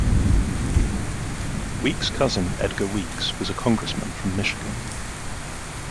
Weeks's cousin, Edgar Weeks, was a congressman from Michigan.